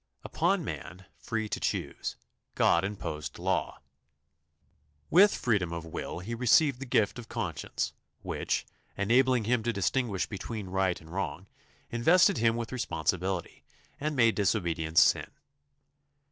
Upon man, free to choose, God imposed law. With freedom of will he received the gift of conscience, which, enabling him to distinguish between right and wrong, invested him with responsibility, and made disobedience sin.